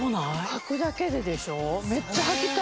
履くだけででしょ？